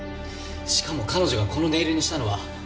しかも彼女がこのネイルにしたのは。